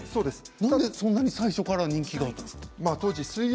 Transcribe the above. なんでそんなに最初から人気があったんですか？